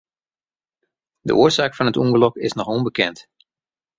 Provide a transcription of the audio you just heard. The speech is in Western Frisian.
De oarsaak fan it ûngelok is noch ûnbekend.